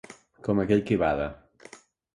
Com aquell qui bada.